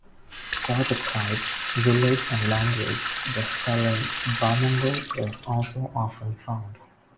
For the tribe, village and language the spelling "Bamungo" is also often found.